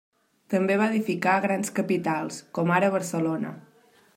També va edificar a grans capitals, com ara Barcelona.